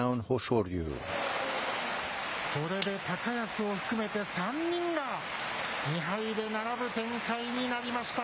これで高安を含めて、３人が２敗で並ぶ展開になりました。